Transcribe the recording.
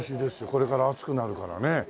これから暑くなるからね。